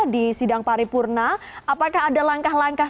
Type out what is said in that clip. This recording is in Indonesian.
di sidang paripurna apakah ada langkah langkah